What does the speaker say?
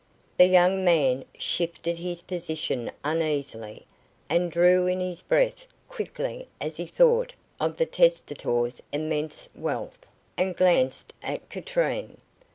The young man shifted his position uneasily, and drew in his breath quickly as he thought of the testator's immense wealth, and glanced at Katrine.